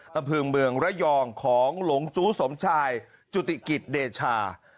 อำเภอเมืองระยองของหลงจู้สมชายจุติกิจเดชา